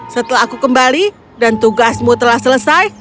setelah aku kembali dan tugasmu telah selesai